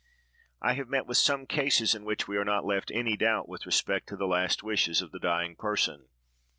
I have met with some cases in which we are not left in any doubt with respect to the last wishes of the dying person.